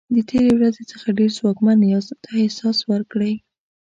د تېرې ورځې څخه ډېر ځواکمن یاست دا احساس ورکړئ.